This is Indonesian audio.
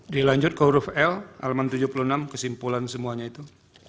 dilanjut ke huruf l tujuh puluh enam kesimpulan semuanya itu